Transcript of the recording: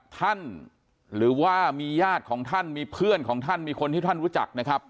หรือว่ามีญาติของท่านมีเพื่อนของท่านมีคนที่ท่านรู้จักนะครับ